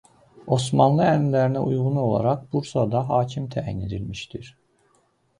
Osmanlı ənənələrinə uyğun olaraq Bursada hakim təyin edilmişdir.